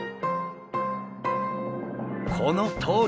このとおり！